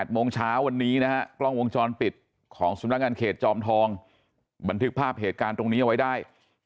โมงเช้าวันนี้นะฮะกล้องวงจรปิดของสำนักงานเขตจอมทองบันทึกภาพเหตุการณ์ตรงนี้เอาไว้ได้